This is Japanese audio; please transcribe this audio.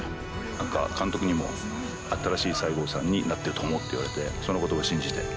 何か監督にも新しい西郷さんになっていると思うって言われてその言葉信じて。